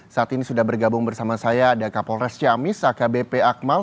saat ini sudah bergabung bersama saya ada kapolres ciamis akbp akmal